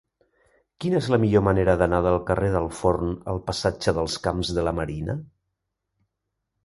Quina és la millor manera d'anar del carrer del Forn al passatge dels Camps de la Marina?